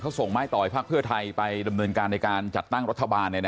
เขาส่งไม้ต่อให้พรรคเพื่อไทยไประเบิดการในการจัดตั้งรัฐบาลเลยนะฮะ